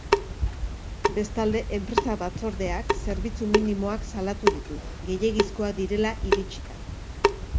Bestalde, enpresa-batzordeak zerbitzu minimoak salatu ditu, gehiegizkoak direla iritzita.